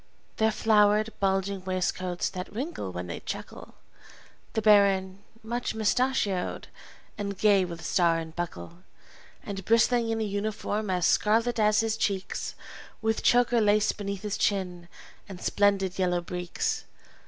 Their flowered, bulging waistcoats that wrinkle when they chuckle; The baron, much mustachioed, and gay with star and buckle, And bristling in a uniform as scarlet as his cheeks, With choker lace beneath his chin, and splendid, yellow breeks!